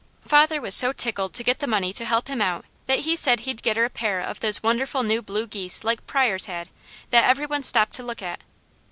Father was so tickled to get the money to help him out that he said he'd get her a pair of those wonderful new blue geese like Pryors had, that every one stopped to look at.